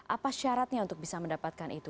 apa syaratnya untuk bisa mendapatkan itu